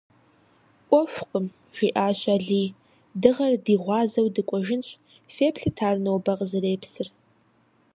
«Ӏуэхукъым,— жиӀащ Алий,— дыгъэр ди гъуазэу дыкӀуэжынщ; феплъыт ар нобэ къызэрепсыр».